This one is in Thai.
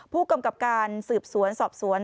ผู้กำกับการสืบสวนสอบสวน